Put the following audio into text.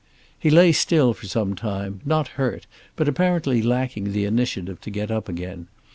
He lay still for some time; not hurt but apparently lacking the initiative to get up again.